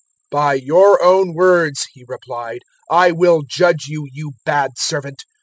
019:022 "`By your own words,' he replied, `I will judge you, you bad servant.